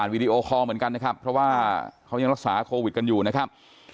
วีดีโอคอลเหมือนกันนะครับเพราะว่าเขายังรักษาโควิดกันอยู่นะครับ